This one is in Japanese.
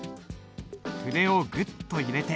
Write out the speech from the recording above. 筆をグッと入れて。